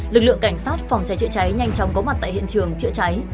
lực lượng cảnh sát phòng cháy chữa cháy nhanh chóng có mặt tại hiện trường chữa cháy